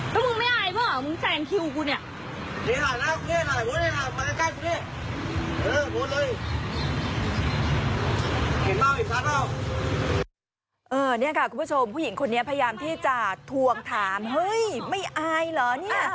นี่ค่ะคุณผู้ชมผู้หญิงคนนี้พยายามที่จะทวงถามเฮ้ยไม่อายเหรอเนี่ย